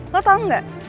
lo tau gak